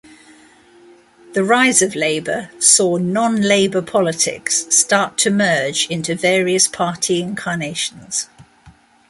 The rise of Labor saw non-Labor politics start to merge into various party incarnations.